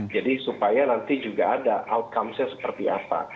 jadi supaya nanti juga ada outcomes nya seperti apa